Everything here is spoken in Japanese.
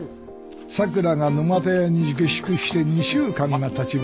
さくらが沼田屋に下宿して２週間がたちました。